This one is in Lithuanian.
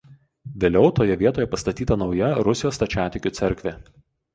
Vėliau toje vietoje pastatyta nauja Rusijos Stačiatikių cerkvė.